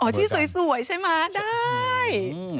ที่สวยใช่ไหมได้